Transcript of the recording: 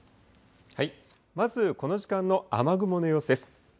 まずこの時間の雨雲の様子です。